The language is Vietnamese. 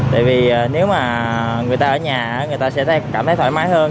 tại vì nếu mà người ta ở nhà người ta sẽ cảm thấy thoải mái hơn